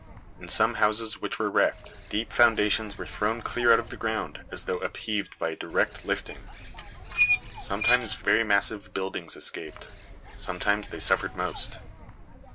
In some houses which were wrecked, deep foundations were thrown clear out of the ground, as though upheaved by a direct lifting. Sometimes very massive buildings escaped; sometimes they suffered most.